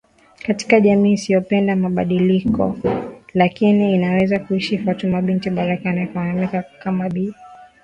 Katika jamii isiyopenda mabadikilo lakini aliweza kuishi Fatuma Binti Baraka anaefahamika kama Bi Kidude